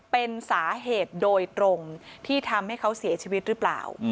เป็นสาเหตุโดยตรงที่ทำให้เขาเสียชีวิตหรือเปล่า